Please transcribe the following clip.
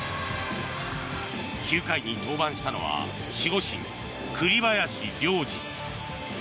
９回に登板したのは守護神、栗林良吏。